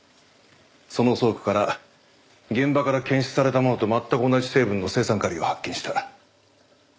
その倉庫から現場から検出されたものと全く同じ成分の青酸カリを発見した。